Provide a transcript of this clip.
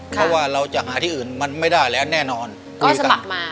เพราะว่าเราจะหาที่อื่นมันไม่ได้แล้วแน่นอนมีโอกาส